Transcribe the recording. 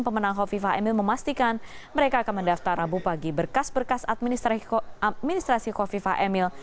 kepenangan yang telah diperlukan oleh kpu provinsi jawa timur